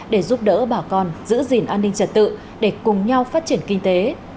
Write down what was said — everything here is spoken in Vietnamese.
để giúp đỡ bà con giữ gìn an ninh trật tự để cùng nhau phát triển kinh tế